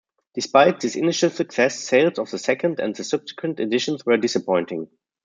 Despite this initial success, sales of the second and subsequent editions were disappointing.